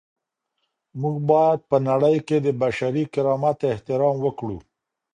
موږ باید په نړۍ کي د بشري کرامت احترام وکړو.